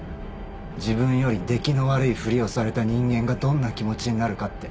自分より出来の悪いふりをされた人間がどんな気持ちになるかって。